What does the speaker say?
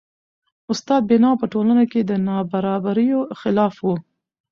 استاد بینوا په ټولنه کي د نابرابریو خلاف و .